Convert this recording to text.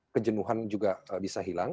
kejenuhan juga bisa hilang